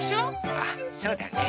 あそうだね。